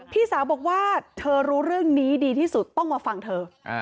พี่สาวบอกว่าเธอรู้เรื่องนี้ดีที่สุดต้องมาฟังเธอ